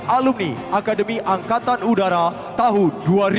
alumni akademi angkatan udara tahun dua ribu dua